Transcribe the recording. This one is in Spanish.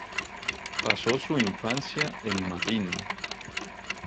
Pasó su infancia en Marín.